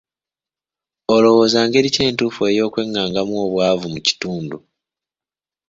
Olowooza ngeri ki entuufu ey'okwengaanga obwavu mu kitundu?